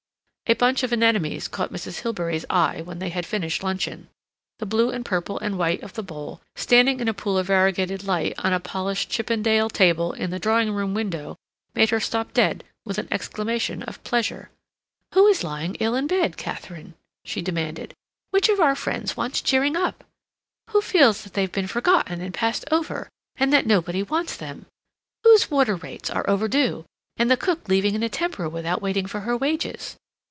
A bunch of anemones caught Mrs. Hilbery's eye when they had finished luncheon. The blue and purple and white of the bowl, standing in a pool of variegated light on a polished Chippendale table in the drawing room window, made her stop dead with an exclamation of pleasure. "Who is lying ill in bed, Katharine?" she demanded. "Which of our friends wants cheering up? Who feels that they've been forgotten and passed over, and that nobody wants them? Whose water rates are overdue, and the cook leaving in a temper without waiting for her wages?